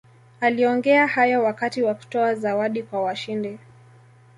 aliongea hayo wakati wa kutoa zawadi kwa washindi